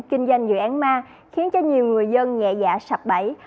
kinh doanh dự án ma khiến cho nhiều người dân nghẹ dạ sạp bẫy